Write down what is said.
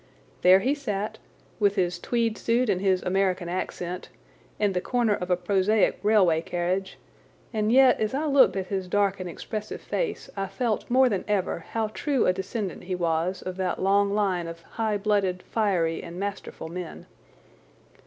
There he sat, with his tweed suit and his American accent, in the corner of a prosaic railway carriage, and yet as I looked at his dark and expressive face I felt more than ever how true a descendant he was of that long line of high blooded, fiery, and masterful men.